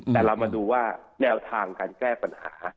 แต่เรามาดูว่าแนวทางการแก้ปัญหา